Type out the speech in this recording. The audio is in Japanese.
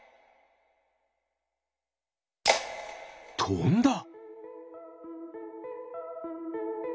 とんだ。